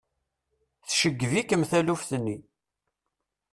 Tceggeb-ikem taluft-nni.